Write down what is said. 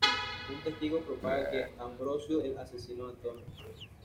Un testigo propaga que Ambrosio es el asesino de Antonia.